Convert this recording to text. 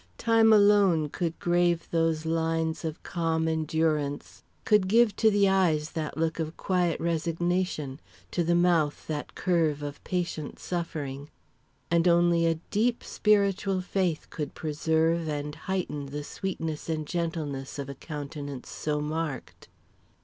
Time alone could grave those lines of calm endurance, could give to the eyes that look of quiet resignation, to the mouth that curve of patient suffering; and only a deep spiritual faith could preserve and heighten the sweetness and gentleness of a countenance so marked.